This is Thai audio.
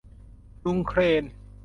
ลุงเครน